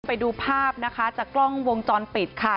ไปดูภาพนะคะจากกล้องวงจรปิดค่ะ